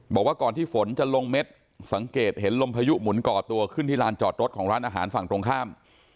บอกว่าก่อนที่ฝนจะลงเม็ดสังเกตเห็นลมพายุหมุนก่อตัวขึ้นที่ลานจอดรถของร้านอาหารฝั่งตรงข้าม